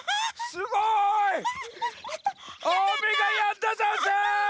すごい！あめがやんだざんす！